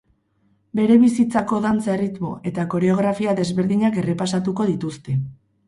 Bere bizitzako dantza erritmo eta koreografia desberdinak errepasatuko dituzte.